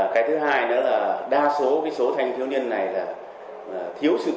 cái thứ hai đó là đa số cái số thanh thiếu niên này là thiếu sự giảm